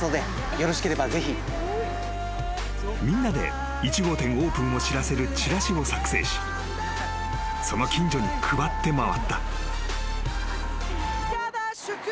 ［みんなで１号店オープンを知らせるチラシを作成しその近所に配って回った］